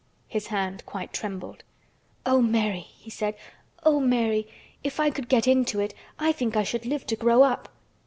His hand quite trembled. "Oh, Mary!" he said. "Oh, Mary! If I could get into it I think I should live to grow up!